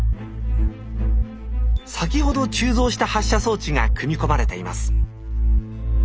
先ほど鋳造した発射装置が組み込まれています。